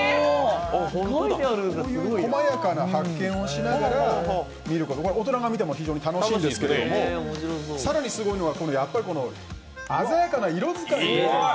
こういう細やかな発見をしながら、大人が見ても非常に楽しいんですけど更にすごいのは、やっぱり鮮やかな色使い。